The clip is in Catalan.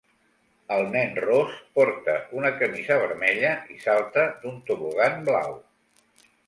El nen ros porta una camisa vermella i salta d'un tobogan blau.